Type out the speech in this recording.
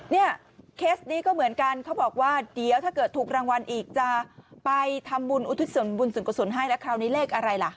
เนี่ยเคสนี้ก็เหมือนกันเขาบอกว่าเดี๋ยวถ้าเกิดถูกรางวัลอีกจะไปทำบุญอุทิศส่วนบุญส่วนกุศลให้แล้วคราวนี้เลขอะไรล่ะ